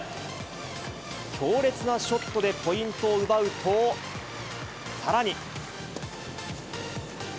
強烈なショットでポイントを奪うと、さらに。